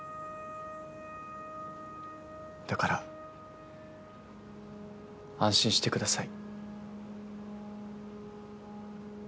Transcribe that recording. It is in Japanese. だから安心してください。